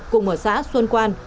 cùng ở xã xuân quan